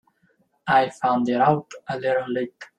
I found it out a little late.